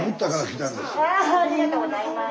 ありがとうございます。